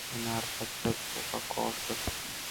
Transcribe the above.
بناربس ءِ لوگ ءَکاف ءَ گوٛشت